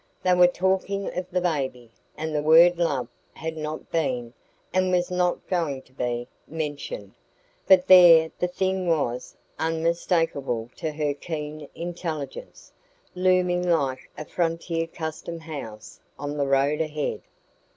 They were talking of the baby, and the word "love" had not been, and was not going to be, mentioned; but there the thing was, unmistakable to her keen intelligence, looming like a frontier custom house on the road ahead.